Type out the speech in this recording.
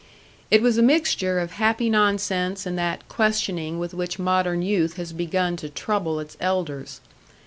It was a mixture of happy nonsense and that questioning with which modern youth has begun to trouble its elders.